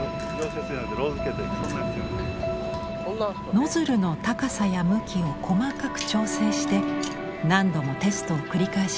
ノズルの高さや向きを細かく調整して何度もテストを繰り返します。